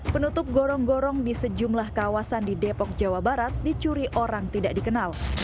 penutup gorong gorong di sejumlah kawasan di depok jawa barat dicuri orang tidak dikenal